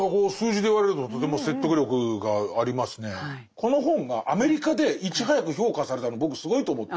この本がアメリカでいち早く評価されたの僕すごいと思って。